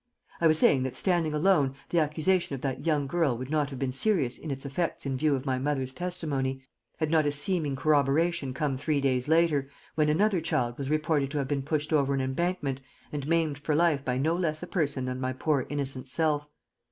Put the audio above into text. I was saying that standing alone the accusation of that young girl would not have been serious in its effects in view of my mother's testimony, had not a seeming corroboration come three days later, when another child was reported to have been pushed over an embankment and maimed for life by no less a person than my poor innocent self.